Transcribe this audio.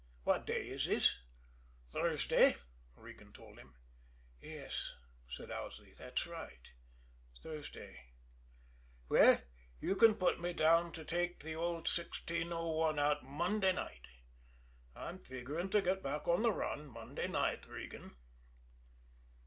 What day is this?" "Thursday," Regan told him. "Yes," said Owsley, "that's right Thursday. Well, you can put me down to take the old 1601 out Monday night. I'm figuring to get back on the run Monday night, Regan."